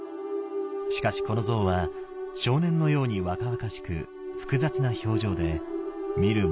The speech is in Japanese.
しかしこの像は少年のように若々しく複雑な表情で見る者をひきつけます。